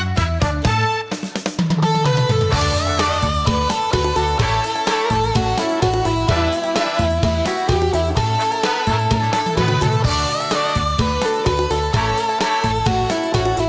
มาฟังอินโทรเพลงที่๑๐